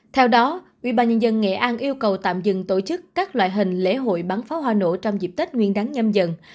theo đó ubnd nghệ an yêu cầu tạm dừng tổ chức các loại hình lễ hội bắn pháo hoa nổ trong dịp tết nguyên đáng nhâm dần